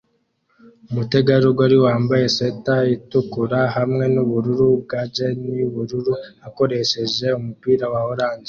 Umutegarugori wambaye swater itukura hamwe nubururu bwa jean yubururu akoresheje umupira wa orange